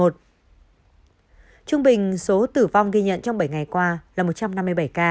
trung bình số tử vong ghi nhận trong bảy ngày qua là một trăm năm mươi bảy ca